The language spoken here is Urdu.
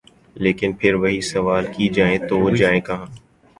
لیکن پھر وہی سوال کہ جائیں تو جائیں کہاں۔